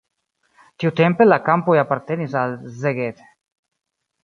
Tiutempe la kampoj apartenis al Szeged.